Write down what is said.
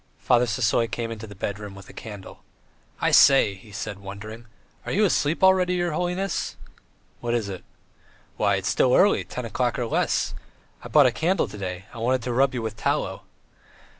Father Sisoy came into the bedroom with a candle. "I say!" he said, wondering, "are you asleep already, your holiness?" "What is it?" "Why, it's still early, ten o'clock or less. I bought a candle to day; I wanted to rub you with tallow."